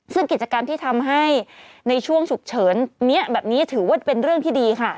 ซึ่งกิจกรรมที่ทำให้ในช่วงฉุกเฉินแบบนี้แบบนี้ถือว่าเป็นเรื่องที่ดีค่ะ